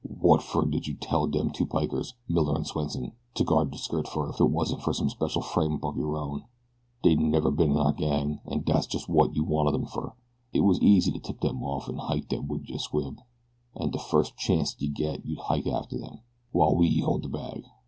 Wot fer did you detail dem two pikers, Miller and Swenson, to guard de skirt fer if it wasn't fer some special frame up of yer own? Dey never been in our gang, and dats just wot you wanted 'em fer. It was easy to tip dem off to hike out wid de squab, and de first chanct you get you'll hike after dem, while we hold de bag.